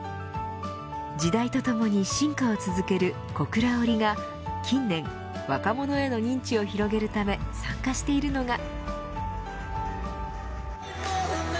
時代とともに進化を続ける小倉織が近年、若者への認知を広げるため参加しているのが。